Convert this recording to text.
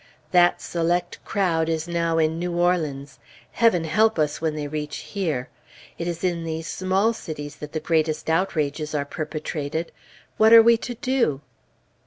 That select crowd is now in New Orleans. Heaven help us when they reach here! It is in these small cities that the greatest outrages are perpetrated. What are we to do?